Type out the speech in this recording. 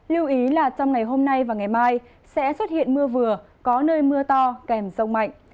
lưu ý là trong ngày hôm nay và ngày mai sẽ xuất hiện mưa vừa có nơi mưa to kèm rông mạnh